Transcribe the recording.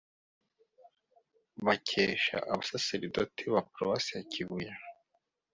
bakesha abasaserdoti ba paruwasi ya kibuye